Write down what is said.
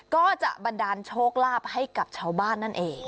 ก็จะบันดาลโชคลาภให้กับชาวบ้านนั่นเอง